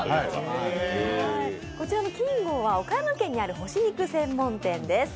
こちらのＫＩＮＧＯーは岡山にある干し肉専門店です。